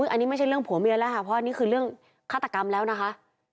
อันนี้ไม่ใช่เรื่องผัวเมียแล้วค่ะเพราะอันนี้คือเรื่องฆาตกรรมแล้วนะคะ